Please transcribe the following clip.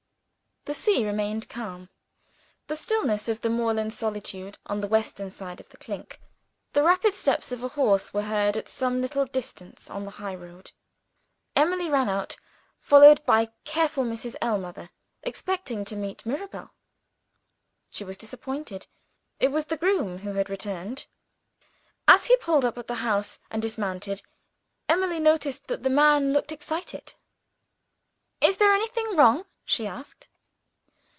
The sea still remained calm. In the stillness of the moorland solitude on the western side of "The Clink," the rapid steps of a horse were heard at some little distance on the highroad. Emily ran out, followed by careful Mrs. Ellmother, expecting to meet Mirabel. She was disappointed: it was the groom who had returned. As he pulled up at the house, and dismounted, Emily noticed that the man looked excited. "Is there anything wrong?" she asked.